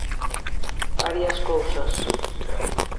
Varias cousas.